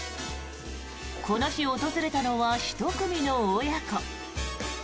この日訪れたのは１組の親子。